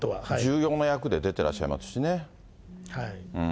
重要な役で出てらっしゃいますしね。